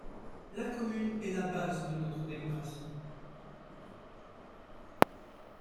La commune est la base de notre démocratie.